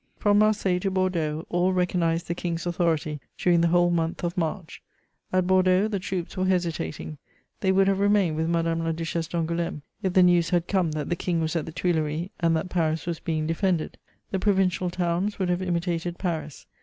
From Marseilles to Bordeaux, all recognised the King's authority during the whole month of March: at Bordeaux, the troops were hesitating; they would have remained with Madame la Duchesse d'Angoulême, if the news had come that the King was at the Tuileries and that Paris was being defended. The provincial towns would have imitated Paris.